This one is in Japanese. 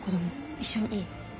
一緒にいい？